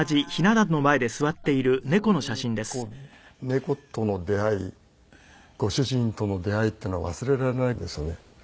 そういう猫との出会いご主人との出会いっていうのは忘れられないですね。